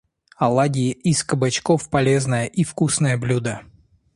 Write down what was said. Оладьи из кабачков - полезное и вкусное блюдо.